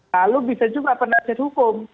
lalu bisa juga penasihat hukum